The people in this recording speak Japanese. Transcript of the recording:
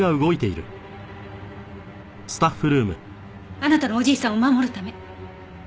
あなたのおじいさんを守るため。